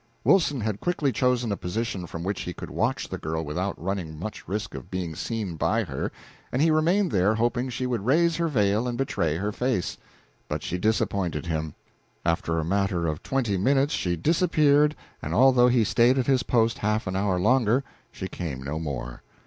Wilson had quickly chosen a position from which he could watch the girl without running much risk of being seen by her, and he remained there hoping she would raise her veil and betray her face. But she disappointed him. After a matter of twenty minutes she disappeared, and although he stayed at his post half an hour longer, she came no more.